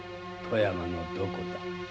富山のどこだ？